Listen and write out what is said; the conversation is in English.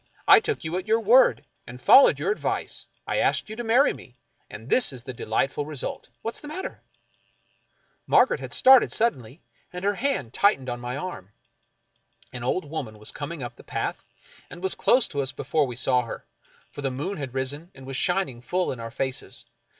I took you at your word, I followed your ad vice, I asked you to marry me, and this is the delightful result — what's the matter ?" Margaret had started suddenly, and her hand tightened on my arm. An old woman was coming up the path, and was close to us before we saw her, for the moon had risen, and was shining full in our faces.